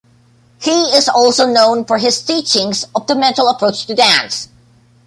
He is also known for his teachings of the mental approach to dance.